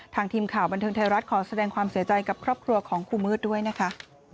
ทีมข่าวบันเทิงไทยรัฐขอแสดงความเสียใจกับครอบครัวของครูมืดด้วยนะคะ